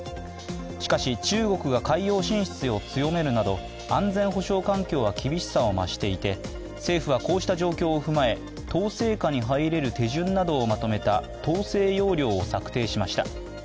しかし中国が海洋進出を強めるなど安全保障環境は厳しさを増していて、政府はこうした状況を踏まえ、統制下に入れる手順などをまとめた統制要領を策定しました。